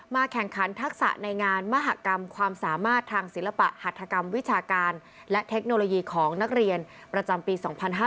แข่งขันทักษะในงานมหากรรมความสามารถทางศิลปะหัฐกรรมวิชาการและเทคโนโลยีของนักเรียนประจำปี๒๕๕๙